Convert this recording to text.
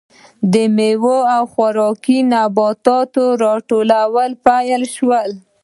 د میوو او خوراکي نباتاتو راټولول پیل شول.